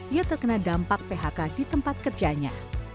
ia terkena dampak phk di tempat kerjanya